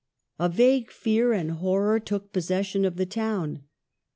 A vague fear and horror took possession of the town.